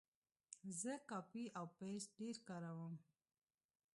زه کاپي او پیسټ ډېر کاروم.